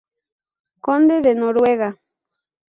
Conde de Noguera.